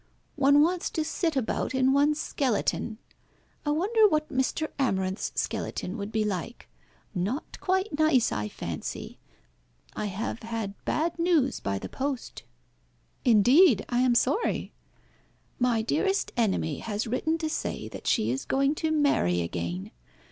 One wants to sit about in one's skeleton. I wonder what Mr. Amarinth's skeleton would be like not quite nice, I fancy. I have had bad news by the post." "Indeed! I am sorry." "My dearest enemy has written to say that she is going to marry again.